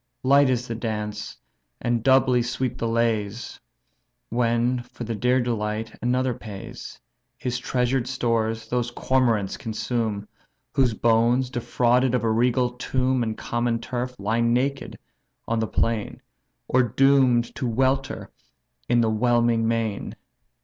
Light is the dance, and doubly sweet the lays, When for the dear delight another pays. His treasured stores those cormarants consume, Whose bones, defrauded of a regal tomb And common turf, lie naked on the plain, Or doom'd to welter in the whelming main.